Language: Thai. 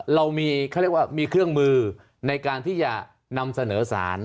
เรามีเครื่องมือในการที่จะนำเสนอสาร